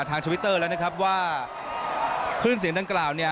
ทางทวิตเตอร์แล้วนะครับว่าคลื่นเสียงด้านกล่าวเนี่ย